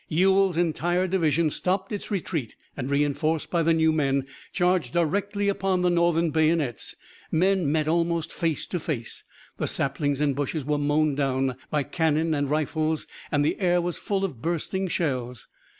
Ewell's entire division stopped its retreat and, reinforced by the new men, charged directly upon the Northern bayonets. Men met almost face to face. The saplings and bushes were mown down by cannon and rifles and the air was full of bursting shells.